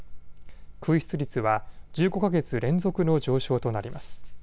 空室率は１５か月連続の上昇となります。